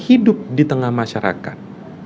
hidup di tengah masyarakat